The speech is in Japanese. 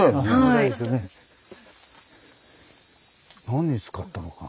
何に使ったのか。